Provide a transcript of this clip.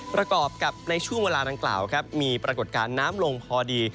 ประกอบกับในช่วงเวลาดังกล่าวครับมีปรากฏการณ์น้ำลงพอดี